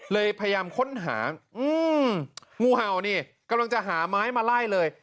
พยายามค้นหางูเห่านี่กำลังจะหาไม้มาไล่เลย